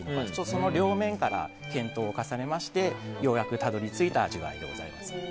その両面から検討を重ねましてようやくたどり着いた味わいでございます。